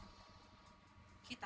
hmm aku punya gita